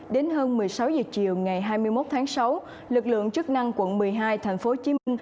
đến hơn một mươi sáu h chiều ngày hai mươi một tháng sáu lực lượng chức năng quận một mươi hai tp hcm